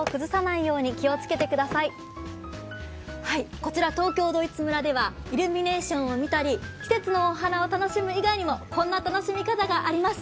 こちら東京ドイツ村ではイルミネーションを見たり季節のお花を楽しむ以外にも、こんな楽しみ方があります。